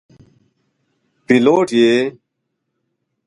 پیلوټ یې.